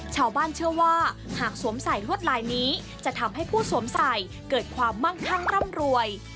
ชาวบ้านเชื่อว่าหากสวมใส่ลวดลายนี้จะทำให้ผู้สวมใส่เกิดความมั่งคั่งร่ำรวย